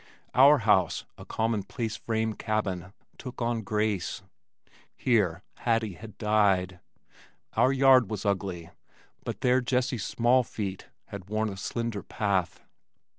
Our house, a commonplace frame cabin, took on grace. Here Hattie had died. Our yard was ugly, but there Jessie's small feet had worn a slender path.